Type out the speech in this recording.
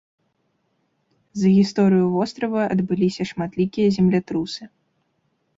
За гісторыю вострава адбыліся шматлікія землятрусы.